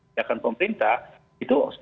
pihak pemerintah itu